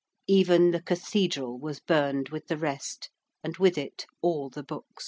Even the Cathedral was burned with the rest, and with it all the books.